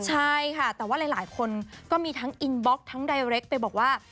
ใช่ค่ะแต่ว่าหลายคนก็มีทั้งอินบล็อกทั้งไดเรคไปบอกว่า